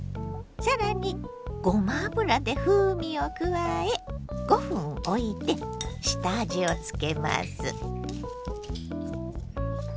さらにごま油で風味を加え５分おいて下味をつけます。